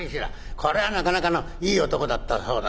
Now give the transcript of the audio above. これはなかなかのいい男だったそうだ」。